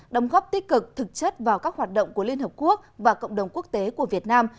đóng góp tích cực thực chất vào các hoạt động của liên hợp quốc và cộng đồng quốc tế của việt nam